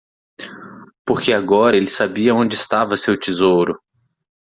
Porque agora ele sabia onde estava seu tesouro.